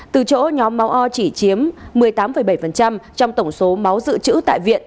từ chỗ nhóm máu o chỉ chiếm một mươi tám bảy trong tổng số máu dự trữ tại viện